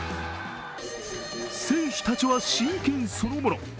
選手たちは真剣そのもの。